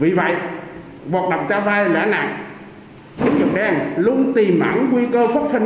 vì vậy hoạt động cho vai lãi nặng vũ khí đen luôn tìm ảnh nguy cơ phốc thân